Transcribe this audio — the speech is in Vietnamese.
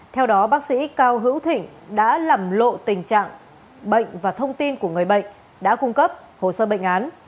theo đó bác sĩ cao hữu thịnh đã làm lộ tình trạng bệnh và thông tin của người bệnh đã cung cấp hồ sơ bệnh án